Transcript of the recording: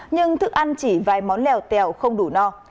nhưng thức ăn chỉ vài món leo teo không đủ no